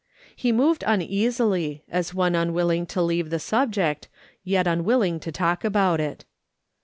He moved uneasily, as one un willing to leave the subject, yet unwilling to talk about it.